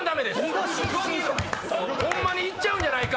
ホンマに逝っちゃうんじゃないか？